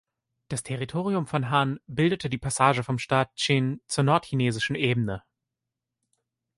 Das Territorium von Han bildete die Passage vom Staat Qin zur Nordchinesischen Ebene.